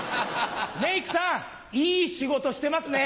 メイクさんいい仕事してますね。